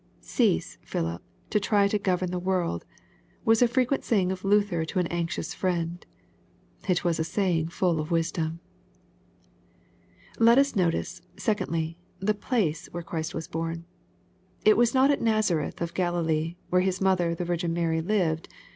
"Cease, Philip, to try to govern the world," was a frequent saying of Luther to an anxious friend. It was a saying full of wisdom. Let us notice, secondly, the place where Christ was horn. It was not at Nazareth of Galilee, where His mother, the Virgin Mary, lived.